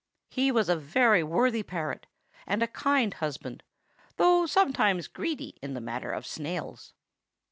He was a very worthy parrot, and a kind husband, though sometimes greedy in the matter of snails."